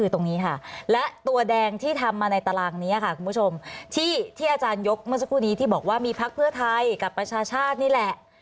ทำมาในตารางนี้ค่ะคุณผู้ชมที่ที่อาจารย์ยกเมื่อสักครู่นี้ที่บอกว่ามีพักเพื่อไทยกับประชาชน์นี่แหละ